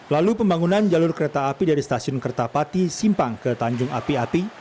lalu pembangunan jalur kereta api dari stasiun kertapati simpang ke tanjung api api